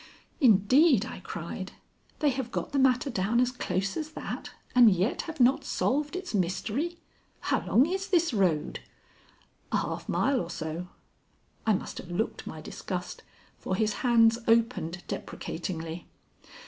"Indeed!" I cried. "They have got the matter down as close as that, and yet have not solved its mystery? How long is this road?" "A half mile or so." I must have looked my disgust, for his hands opened deprecatingly.